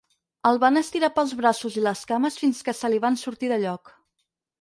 El van estirar pels braços i les cames fins que se li van sortir de lloc.